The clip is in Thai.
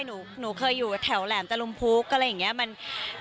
หนูเคยอยู่แถวแหลมตะลุมพุกอะไรอย่างนี้